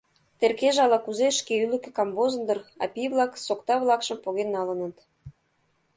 Теркеже ала-кузе шке ӱлыкӧ камвозын дыр, а пий-влак сокта-влакшым поген налыныт!